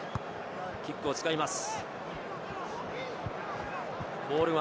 キックを使います。